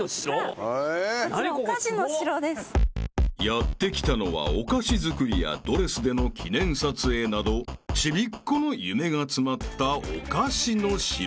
［やって来たのはお菓子作りやドレスでの記念撮影などちびっ子の夢が詰まったお菓子の城］